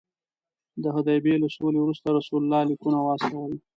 د حدیبیې له سولې وروسته رسول الله لیکونه واستول.